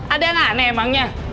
ada yang aneh emangnya